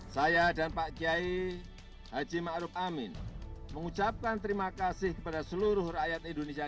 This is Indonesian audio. saya dan pak kiai haji ma'ruf amin mengucapkan terima kasih kepada seluruh rakyat indonesia